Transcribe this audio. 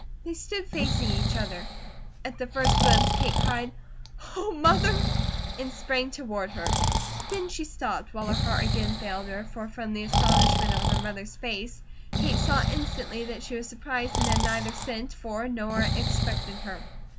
They stood facing each other. At the first glimpse Kate cried, "Oh, Mother," and sprang toward her. Then she stopped, while her heart again failed her, for from the astonishment on her mother's face, Kate saw instantly that she was surprised, and had neither sent for nor expected her.